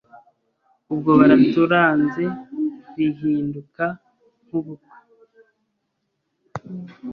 ubwo baraturanze bihinduka nk’ubukwe,